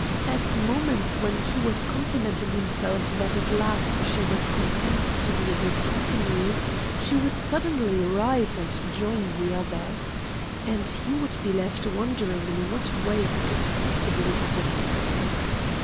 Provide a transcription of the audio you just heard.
At moments when he was complimenting himself that at last she was content to be in his company, she would suddenly rise and join the others, and he would be left wondering in what way he could possibly have offended.